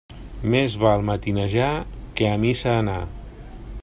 Més val matinejar que a missa anar.